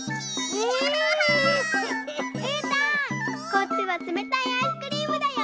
こっちはつめたいアイスクリームだよ。